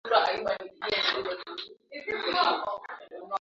benki kuu ya tanzania inazingatia maendeleo ya teknolojia